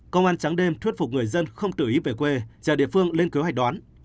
công an trắng đêm thuyết phục người dân không tự ý về quê chờ địa phương lên kế hoạch đón